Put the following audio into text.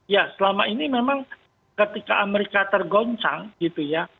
ya selama ini memang ketika amerika tergoncang gitu ya